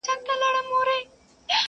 څوك به ژاړي په كېږديو كي نكلونه،